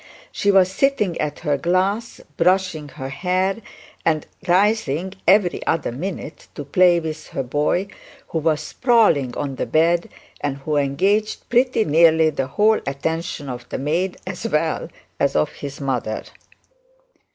She was sitting at her glass brushing her hair, and rising every other minute to play with her boy who was sprawling on the bed, and who engaged pretty nearly the whole attention of the maid as well as of the mother.